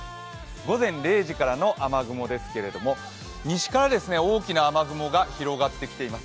午前０時からの雨雲ですけれども西から大きな雨雲が広がってきています。